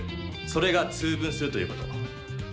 それが「通分」するということ。